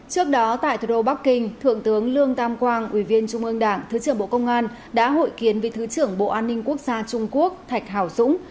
trước đó tại thủ đô bắc kinh thượng tướng lương tam quang ủy viên trung ương đảng thứ trưởng bộ công an đã hội kiến với thứ trưởng bộ an ninh quốc gia trung quốc thạch hào dũng